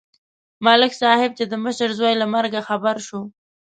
ملک صاحب چې د مشر زوی له مرګه خبر شو.